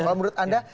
kalau menurut anda